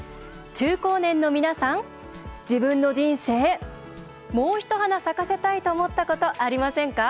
中高年の皆さん自分の人生もう一花咲かせたいと思ったことありませんか？